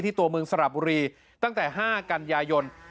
ที่ตัวเมืองสลับบุรีตั้งแต่๕กัญญายนต์